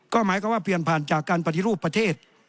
ก็หมายความว่าเปลี่ยนผ่านจากการปฏิรูปประเทศ